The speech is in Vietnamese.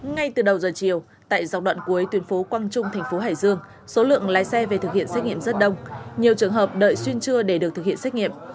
ngay từ đầu giờ chiều tại dọc đoạn cuối tuyên phố quang trung thành phố hải dương số lượng lái xe về thực hiện xét nghiệm rất đông